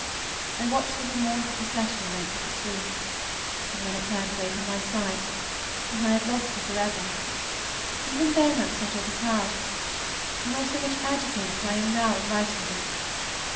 I watched the little mournful procession the length of the street; and when it turned from my sight, and I had lost her forever, even then I was not overpowered, nor so much agitated as I am now in writing of it.